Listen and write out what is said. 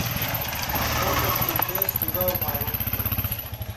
”او ککی تے سُگاؤ معلوم تُھو،